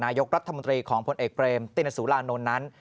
นายกรัฐมนตรีของผลเอกเบรมตินสุรานนท์นั้น